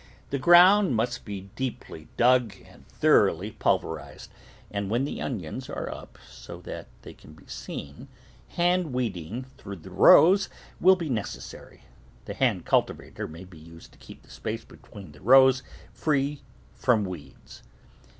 The ground must be deeply dug and thor oughly pulverised, and when the onions are up so they can be seen, hand weeding through the rows will be necessary. The hand cultivator may be used to keep the space between the rows free from weeds.